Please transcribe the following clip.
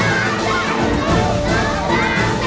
กลับมาครับ